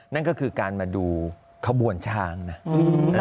นั่นก็คือการมาดูขบวนช้างนะ